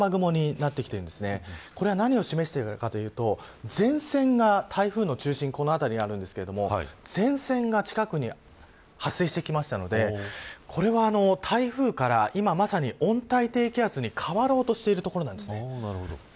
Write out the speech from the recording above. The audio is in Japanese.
今日になって、線状の雨雲になってきているんですこれは何を示しているかというと前線が、台風の中心はこの辺りにあるんですが前線が近くに発生してきたのでこれは台風から今、まさに温帯低気圧に変わろうとしているところなんです。